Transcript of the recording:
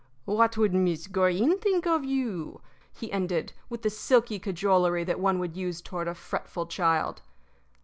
What would Miss Greene think of you?" he ended, with the silky cajolery that one would use toward a fretful child.